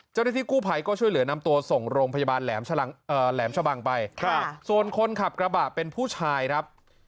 เจ้าหน้าที่กู้ภัยก็ช่วยเหลือนำตัวส่งโรงพยาบาลแหลมชะบังไปส่วนคนขับกระบะเป็นผู้ชายครับ